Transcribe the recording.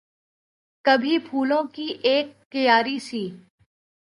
کبھی پھولوں کی اک کیاری سی